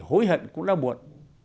hối hận cũng đau buồn